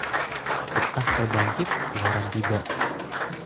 Getah terbangkit kuaran tiba